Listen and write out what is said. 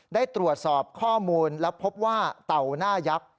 ได้ตรวจสอบข้อมูลแล้วพบว่าเต่าหน้ายักษ์